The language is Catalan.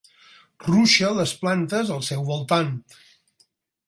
Ruixa les plantes al seu voltant.